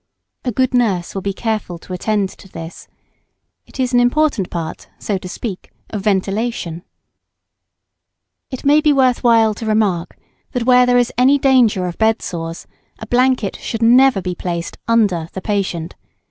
A good nurse will be careful to attend to this. It is an important part, so to speak, of ventilation. [Sidenote: Bed sores.] It may be worth while to remark, that where there is any danger of bed sores a blanket should never be placed under the patient.